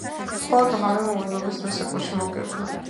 მხოლოდ ღამემ, უძილობის დროს სარკმელში მოკამკამემ,